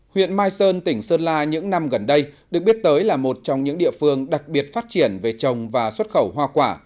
huyện mai sơn tỉnh sơn la những năm gần đây được biết tới là một trong những địa phương đặc biệt phát triển về trồng và xuất khẩu hoa quả